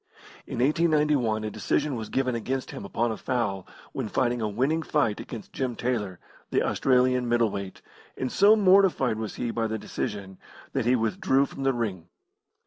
In 1891 a decision was given against him upon a foul when fighting a winning fight against Jim Taylor, the Australian middle weight, and so mortified was he by the decision, that he withdrew from the ring.